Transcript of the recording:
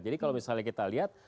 kalau misalnya kita lihat